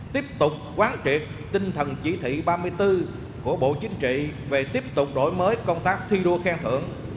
tiếp tục quán triệt tinh thần chỉ thị ba mươi bốn của bộ chính trị về tiếp tục đổi mới công tác thi đua khen thưởng